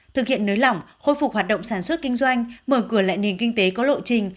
thực hiện nới lỏng khôi phục hoạt động sản xuất kinh doanh mở cửa lại nền kinh tế có lộ trình